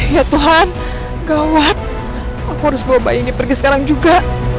ya tuhan gawat aku harus bombay ini pergi sekarang juga